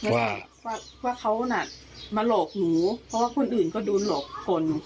ว่าเขาน่ะมาหลอกหนูเพราะว่าคนอื่นก็โดนหลอกคน